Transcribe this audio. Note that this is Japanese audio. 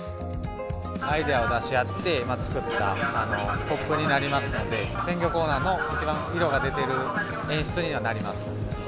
アイデアを出し合って作ったポップになりますので、鮮魚コーナーの一番色が出てる演出にはなります。